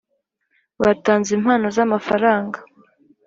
Batanze impano z’amafaranga